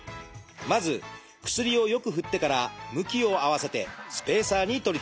まず薬をよく振ってから向きを合わせてスペーサーに取り付けます。